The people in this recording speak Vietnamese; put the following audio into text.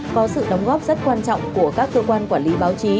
có sự đóng góp rất quan trọng của các cơ quan quản lý báo chí